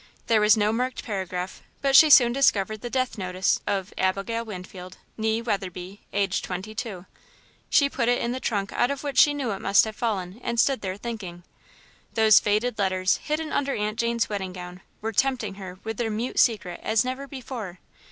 There was no marked paragraph, but she soon discovered the death notice of "Abigail Winfield, nee Weatherby, aged twenty two." She put it into the trunk out of which she knew it must have fallen, and stood there, thinking. Those faded letters, hidden under Aunt Jane's wedding gown, were tempting her with their mute secret as never before.